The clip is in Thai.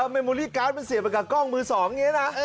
เมมูลลี่การ์ดเสียไปกับกล้องมือสอง